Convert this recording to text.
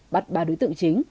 bắt ba đối tượng chính